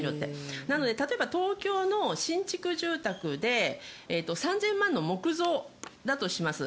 例えば東京の新築住宅で３０００万円の木造だとします。